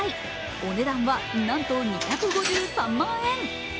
お値段はなんと２５３万円！